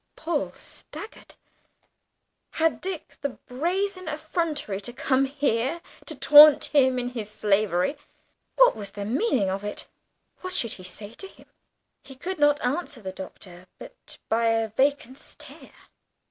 Paul staggered. Had Dick the brazen effrontery to come here to taunt him in his slavery? What was the meaning of it? What should he say to him? He could not answer the Doctor but by a vacant stare.